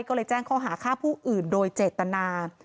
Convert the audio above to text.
ก็แจ้งเข้าหาค้าผู้อื่นโดยเจตนา